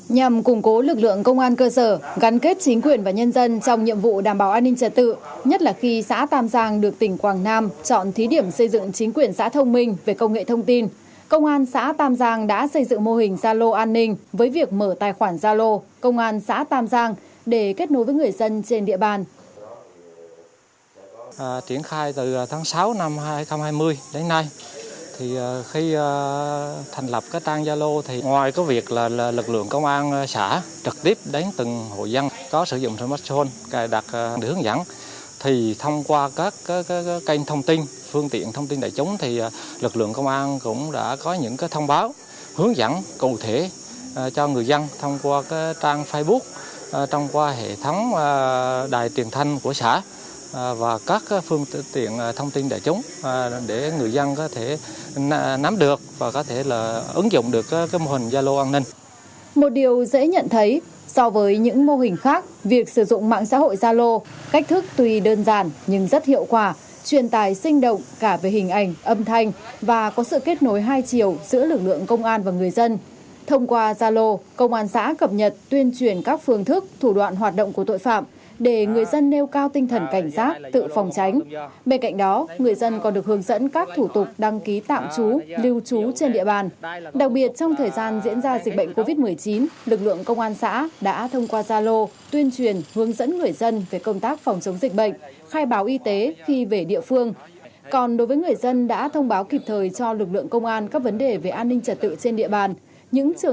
nhằm củng cố lực lượng công an cơ sở gắn kết chính quyền và nhân dân trong nhiệm vụ đảm bảo an ninh trật tự nhất là khi xã tam giang được tỉnh quảng nam chọn thí điểm xây dựng chính quyền xã thông minh về công nghệ thông tin công an xã tam giang đã xây dựng mô hình zalo an ninh với việc mở tài khoản zalo công an xã tam giang để kết nối với người dân trên địa bàn